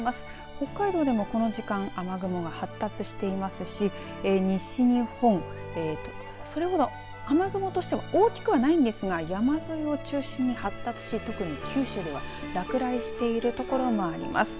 北海道でもこの時間雨雲が発達していますし西日本それほど雨雲としては大きくはないんですが山沿いを中心に発達し特に九州では落雷しているところもあります。